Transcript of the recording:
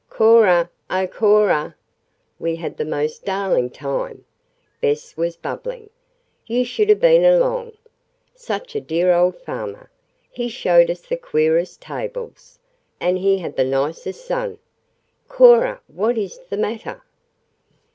"Cora! Oh, Cora! We had the most darling time," Bess was bubbling. "You should have been along. Such a dear old farmer. He showed us the queerest tables. And he had the nicest son. Cora What is the matter?"